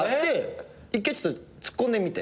一回ちょっとツッコんでみて。